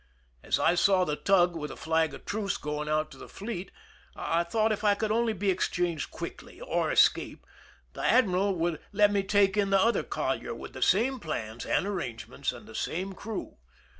As I saw the tug with a flag of truce going out to the fleet, I thought if I could only be exchanged quickly, or escape, the admiral would let me take in the other collier, with the same plans and arrangements, and the same crew.